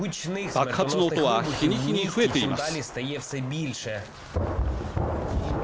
爆発の音は日に日に増えています。